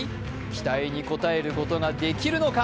期待に応えることができるのか。